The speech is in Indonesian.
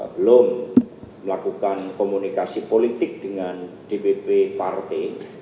belum melakukan komunikasi politik dengan dpp partai